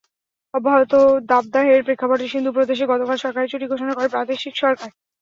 অব্যাহত দাবদাহের প্রেক্ষাপটে সিন্ধু প্রদেশে গতকাল সরকারি ছুটি ঘোষণা করে প্রাদেশিক সরকার।